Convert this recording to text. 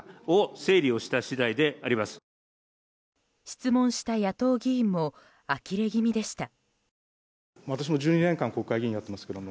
質問した野党議員もあきれ気味でした。